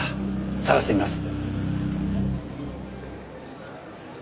捜してみます。